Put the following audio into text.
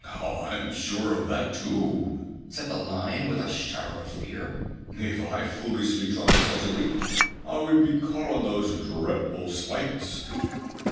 "I'm sure of that, too!" said the Lion with a shudder of fear. "If I foolishly tried such a leap, I would be caught on those dreadful spikes."